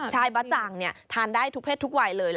ชายบ๊ะจ่างเนี่ยทานได้ทุกเพศทุกวัยเลย